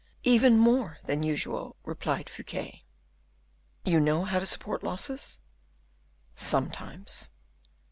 "Even more than usual," replied Fouquet. "You know how to support losses?" "Sometimes."